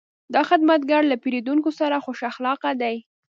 دا خدمتګر له پیرودونکو سره خوش اخلاقه دی.